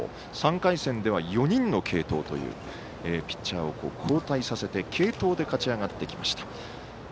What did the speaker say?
３回戦では４人の継投というピッチャーを交代させて継投で勝ち上がってきました。